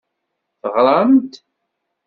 Teɣram-d?